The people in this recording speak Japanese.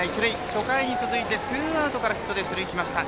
初回に続いて、ツーアウトからヒットで出塁しました。